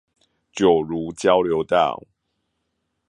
九如交流道